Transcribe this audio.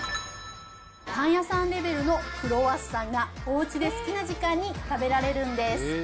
パン屋さんレベルのクロワッサンが、おうちで好きな時間に食べられるんです。